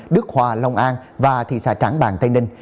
đức hòa long an và thị xã trảng bàng tây ninh